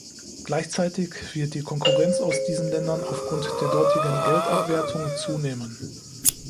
Gleichzeitig wird die Konkurrenz aus diesen Ländern aufgrund der dortigen Geldabwertung zunehmen.